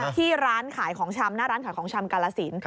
ที่ร้านขายของชำหน้าร้านขายของชำกาลสิน